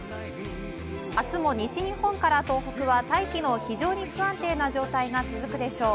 明日も西日本から東北は大気の非常に不安定な状態が続くでしょう。